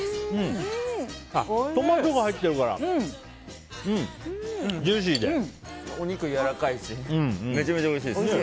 トマトが入ってるからお肉やわらかいしめちゃめちゃおいしいです。